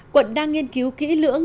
quận đang nghiên cứu kỹ lưỡng